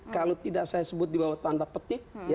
kalau tidak saya sebut di bawah tanda petik